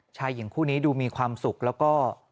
ชายหญิงคู่นี้ดูมีความสุขแล้วก็